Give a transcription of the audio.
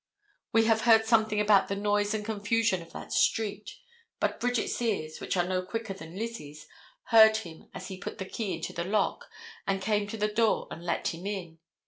We have heard something about the noise and confusion of that street, but Bridget's ears, which are no quicker than Lizzie's, heard him as he put the key into the lock, and came to the door and let him in.